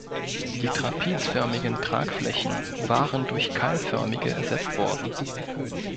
Die trapezförmigen Tragflächen waren durch keilförmige ersetzt worden.